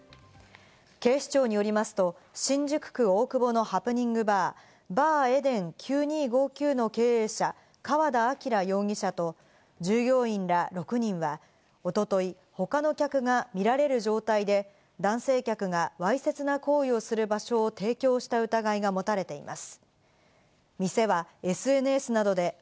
警視庁によりますと、新宿区大久保のハプニングバー「ＢＡＲＥＤＥＮ九二五九」の経営者、川田晃容疑者と従業員ら６人はおととい、他の客が見られる状態で、男性客がわいせつな行為をする場所を提供した疑いが持たれています。